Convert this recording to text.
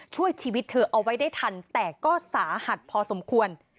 ช่วยชีวิตเธอเอาไว้ได้ทันแต่ก็สาหัสพอสมควร